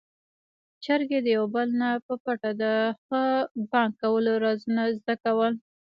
چرګې د يو بل نه په پټه د ښه بانګ کولو رازونه زده کول.